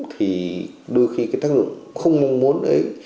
thì đôi khi cái tác dụng không mong muốn đấy